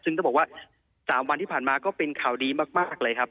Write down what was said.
ซึ่งต้องบอกว่า๓วันที่ผ่านมาก็เป็นข่าวดีมากเลยครับ